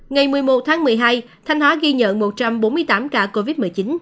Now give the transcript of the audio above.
ngày một mươi một tháng một mươi hai thanh hóa ghi nhận một trăm bốn mươi tám ca covid một mươi chín